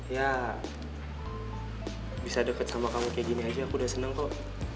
ya bisa deket sama kamu kayak gini aja aku udah seneng kok